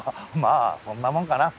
あそんなもんかな。